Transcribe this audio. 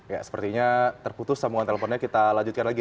ya sepertinya terputus sambungan teleponnya kita lanjutkan lagi